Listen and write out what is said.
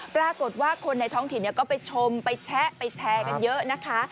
ปรากฏว่าคนในท้องถิ่นก็ไปชมไปแชะไปแชร์กันเยอะนะคะ